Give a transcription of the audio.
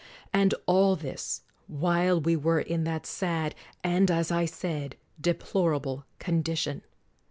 And all this, while we were in that sad, and, as I said, deplor able condition.